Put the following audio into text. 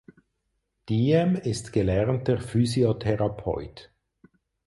Diehm ist gelernter Physiotherapeut.